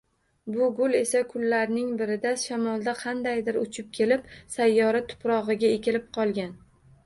Bu gul esa, kunlarning birida shamolda qaydandir uchib kelib sayyora tuprog‘iga ekilib qolgan